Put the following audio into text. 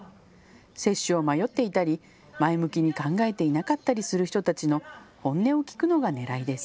接種を迷っていたり前向きに考えていなかったりする人たちの本音を聞くのがねらいです。